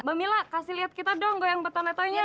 mbak mila kasih lihat kita dong goyang betonetanya